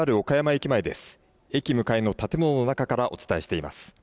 駅向かいの建物の中からお伝えしています。